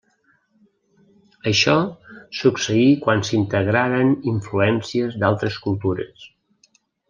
Això succeí quan s'integraren influències d'altres cultures.